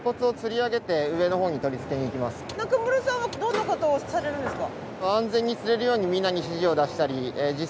中村さんはどんな事をされるんですか？